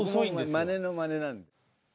僕もまねのまねなんで。